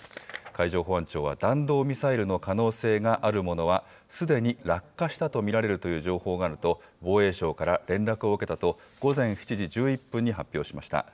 海上保安庁は、弾道ミサイルの可能性があるものは、すでに落下したと見られるという情報があると防衛省から連絡を受けたと、午前７時１１分に発表しました。